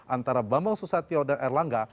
antara bambang susatyo dan erlangga